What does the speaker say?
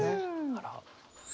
あら。